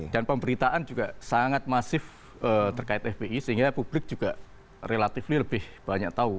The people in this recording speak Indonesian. dan pemberitaan juga sangat masif terkait fpi sehingga publik juga relatif lebih banyak tahu